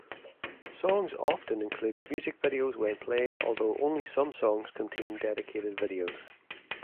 Songs often include music videos when played, although only some songs contain dedicated videos.